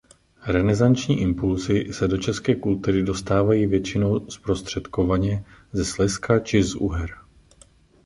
Renesanční impulsy se do české kultury dostávají většinou zprostředkovaně ze Slezska či z Uher.